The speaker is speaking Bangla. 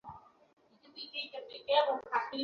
কোনো শব্দ শুনতে পাওনি?